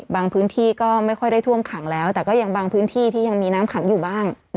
พื้นที่ก็ไม่ค่อยได้ท่วมขังแล้วแต่ก็ยังบางพื้นที่ที่ยังมีน้ำขังอยู่บ้าง